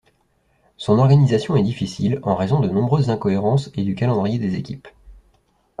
Son organisation est difficile en raison de nombreuses incohérences et du calendrier des équipes.